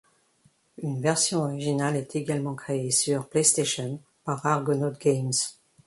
Une version originale est également créée sur PlayStation par Argonaut Games.